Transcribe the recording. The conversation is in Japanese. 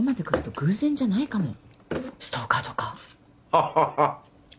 ハハハ。